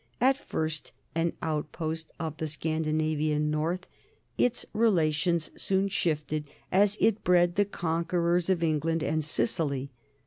At first an outpost of the Scandinavian north, its rela tions soon shifted as it bred the conquerors of Eng land and Sicily.